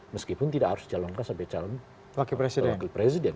meskipun tidak harus dicalonkan sampai calon wakil presiden